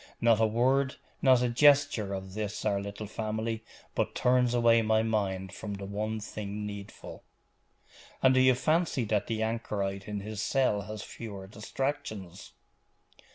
Not a word, not a gesture of this our little family, but turns away my mind from the one thing needful.' 'And do you fancy that the anchorite in his cell has fewer distractions?